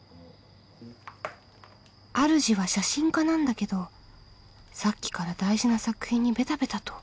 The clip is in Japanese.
あるじは写真家なんだけどさっきから大事な作品にベタベタと。